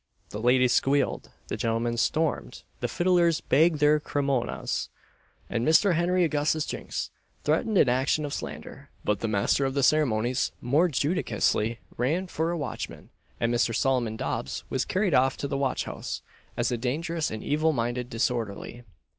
The ladies squealed, the gentlemen stormed, the fiddlers bagged their cremonas, and Mr. Henry Augustus Jinks threatened an action of slander; but the master of the ceremonies, more judiciously, ran for a watchman, and Mr. Solomon Dobbs was carried off to the watch house as a dangerous and evil minded disorderly.